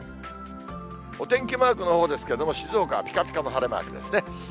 お天気マークのほうですけれども、静岡はぴかぴかの晴れマークですね。